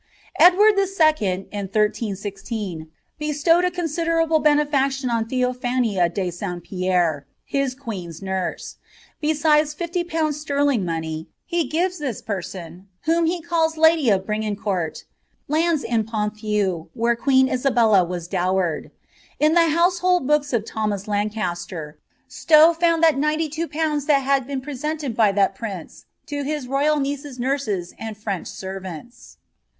Edward II., in 1316, bestowed a considerable benefaction on Theo phania de St Pierre, his queen's nurse : besides fifty pounds sterling money, he gives this person, whom he calls lady of Bringnencourt, lands in Ponthieu, where queen Isabella was dowered.' In the household books of Thomas Lancaster, Stow found that ninety two pounds had been presented by that prince to his royal niece's nurses and French servants.